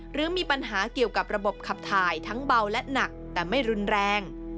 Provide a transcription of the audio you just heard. หรือมีปัญหาเกี่ยวกับระบบขับถ่ายทั้งเบาและหนักแต่ไม่รุนแรง